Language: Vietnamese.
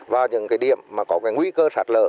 và những điểm có nguy cơ sạt lở